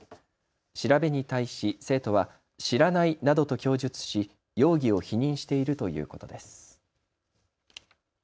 調べに対し生徒は知らないなどと供述し容疑を否認しているということです。